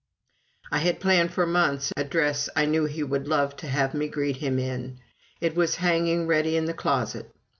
I had planned for months a dress I knew he would love to have me greet him in. It was hanging ready in the closet.